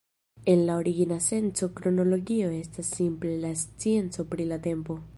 En la origina senco kronologio estas simple la scienco pri la tempo.